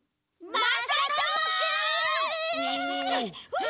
まさとも！